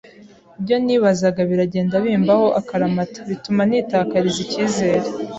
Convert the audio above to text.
Ibyo nibazaga biragenda bimbaho akaramata bituma nitakariza icyizere